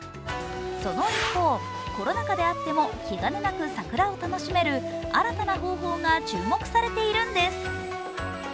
その一方、コロナ禍であっても気兼ねなく桜を楽しめる新たな方法が注目されているんです。